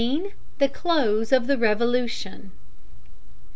THE CLOSE OF THE REVOLUTION.